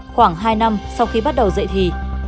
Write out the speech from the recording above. khoảng hai năm sau khi bắt đầu dạy thị